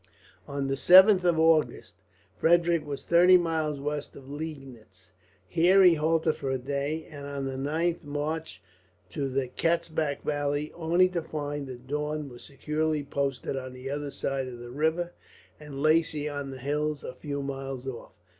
On the 7th of August Frederick was thirty miles west of Liegnitz. Here he halted for a day, and on the 9th marched to the Katzbach valley, only to find that Daun was securely posted on the other side of the river, and Lacy on the hills a few miles off.